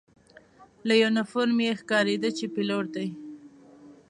له یونیفورم یې ښکارېده چې پیلوټ دی.